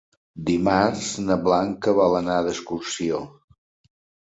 Dimarts na Blanca vol anar d'excursió.